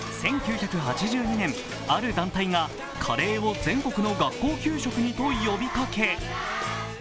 １９８２年ある団体がカレーを全国の学校給食にと呼びかけ